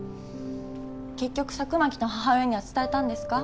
結局佐久巻の母親には伝えたんですか？